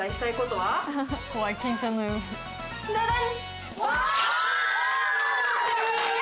はい。